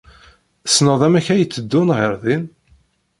Tessneḍ amek ay tteddun ɣer din?